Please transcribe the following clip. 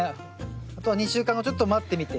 あとは２週間後ちょっと待ってみて。